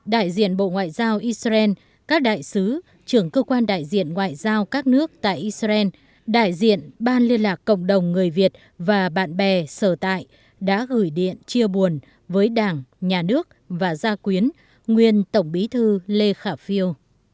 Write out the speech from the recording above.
đại diện bộ ngoại giao israel các đại sứ trưởng cơ quan đại diện ngoại giao các nước tại israel đại diện ban liên lạc cộng đồng người việt và bạn bè sở tại đã gửi điện chia buồn với đảng nhà nước và gia quyến nguyên tổng bí thư lê khả phiêu